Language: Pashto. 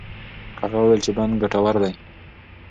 هغه وویل چې بند ګټور دی.